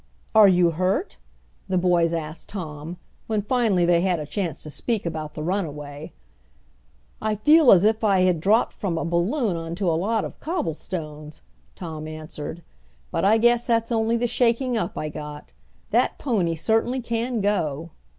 "Are you hurt?" the boys asked Tom, when finally they had a chance to speak about the runaway. "I feel as if I had dropped from a balloon onto a lot of cobblestones," Tom answered, "but I guess that's only the shaking up I got. That pony certainly can go."